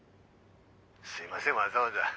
すいませんわざわざ。